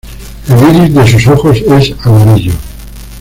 El iris de sus ojos es amarillo.